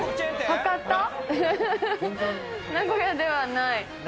博多、名古屋ではない。